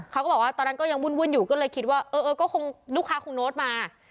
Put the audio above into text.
เขาก็บอกว่าตอนนั้นก็ยังวุ่นอยู่ก็เลยคิดว่าเออก็คงลูกค้าคงโน้ตมา